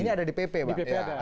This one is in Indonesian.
ini ada di pp pak